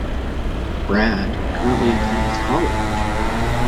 Brad currently attends college.